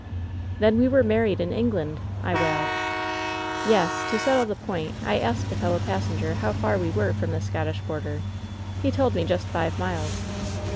Then we were married in England ?' I wailed. TesI To settle the point, I asked a fellow pas senger how far we were from the Scottish border. He told me just five miles.